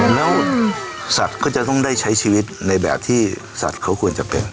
แล้วสัตว์ก็จะต้องได้ใช้ชีวิตในแบบที่สัตว์เขาควรจะเป็น